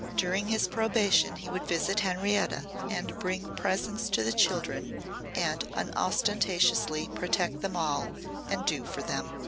During his probation he would visit Henrietta and bring presents to the children and unostentatiously protect them all and "do" for them.